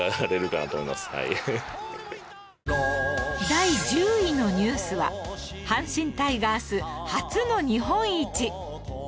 第１０位のニュースは阪神タイガース初の日本一